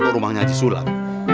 bisa tanya aja sulam